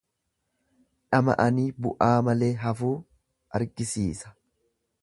Dhama'anii bu'aa malee hafuu argisiisa.